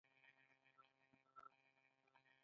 یو سل او دیارلسمه پوښتنه د مامور موقفونه دي.